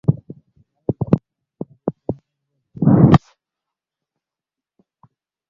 منی د افغانستان په طبیعت کې مهم رول لري.